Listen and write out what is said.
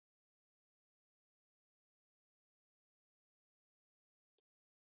En tiempos coloniales, el maíz era un cultivo importante, molido en molinos de agua.